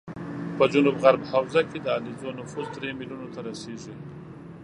په جنوب غرب حوزه کې د علیزو نفوس درې ملیونو ته رسېږي